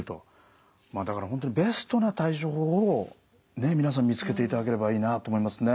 まあだから本当にベストな対処法を皆さん見つけていただければいいなと思いますね。